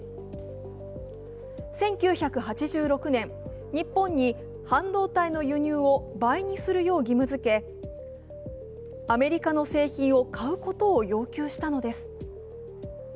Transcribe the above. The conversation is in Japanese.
１９８６年、日本に半導体の輸入を倍にするよう義務づけアメリカの製品を買うことを要求したのです。